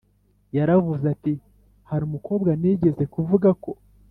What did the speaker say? yaravuze ati hari umukobwa nigeze kuvuga ko